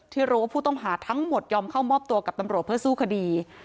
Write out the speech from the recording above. ที่รู้ว่าผู้ต้องหาทั้งหมดยอมเข้ามอบตัวกับตำรวจเพื่อสู้คดี